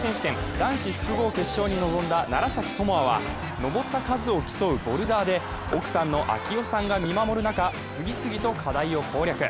男子複合決勝に臨んだ楢崎智亜は登った数を競うボルダーで奥さんの啓代さんが見守る中、次々と課題を攻略。